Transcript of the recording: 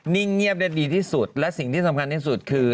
่งเงียบได้ดีที่สุดและสิ่งที่สำคัญที่สุดคือ